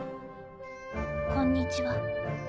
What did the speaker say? こんにちは。